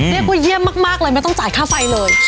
เรียกว่าเยี่ยมมากเลยไม่ต้องจ่ายค่าไฟเลย